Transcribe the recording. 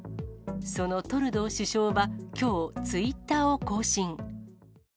そのトルドー首相はきょう、ツイッターを更新。